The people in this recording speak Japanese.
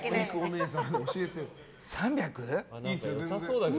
３００？